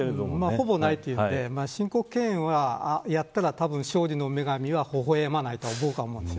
ほぼない、ということで申告敬遠をやったら勝利の女神は微笑まないと思います。